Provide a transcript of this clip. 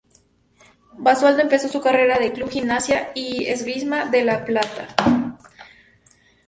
Basualdo empezó su carrera en Club Gimnasia y Esgrima de La Plata.